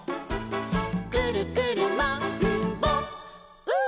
「くるくるマンボウ！」